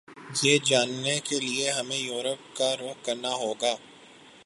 یہ جاننے کیلئے ہمیں یورپ کا رخ کرنا ہوگا